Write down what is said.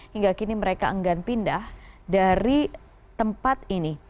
hingga kini mereka enggan pindah dari tempat ini